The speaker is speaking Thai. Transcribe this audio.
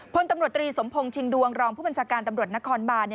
พลตำรวจตรีสมพงศ์ชิงดวงรองผู้บัญชาการตำรวจนครบาน